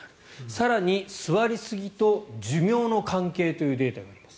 更に座りすぎと寿命の関係というデータがあります。